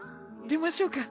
出ましょうか。